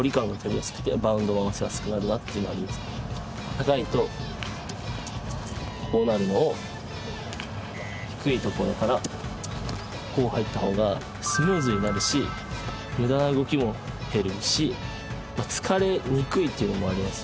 高いとこうなるのを低いところからこう入った方がスムーズになるし無駄な動きも減るし疲れにくいっていうのもありますよね。